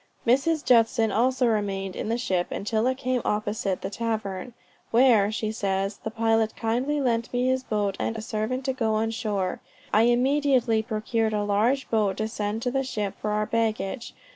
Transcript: Mrs. Judson also remained in the ship until it came opposite the tavern, "where," she says, "the pilot kindly lent me his boat and a servant to go on shore. I immediately procured a large boat to send to the ship for our baggage.